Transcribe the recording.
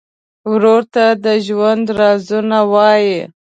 ورور ته د ژوند رازونه وایې.